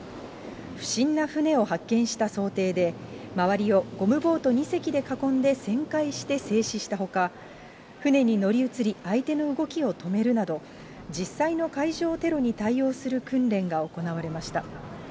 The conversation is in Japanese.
不審な船を発見した想定で、周りをゴムボート２隻で囲んで旋回して制止したほか、船に乗り移り、相手の動きを止めるなど、実際の海上テロに対応する訓練が行われました。